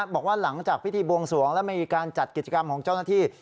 บอกว่าหลังจากพิธีบวงสวงแล้วมีการจัดกิจกรรมของเจ้าหน้าที่